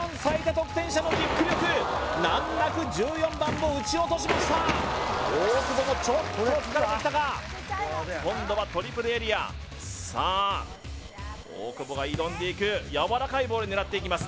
得点者のキック力難なく１４番も打ち落としました大久保もちょっと疲れてきたか今度はトリプルエリアさあ大久保が挑んでいくやわらかいボールで狙っていきます